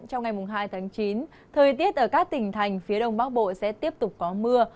trong ngày hai tháng chín thời tiết ở các tỉnh thành phía đông bắc bộ sẽ tiếp tục có mưa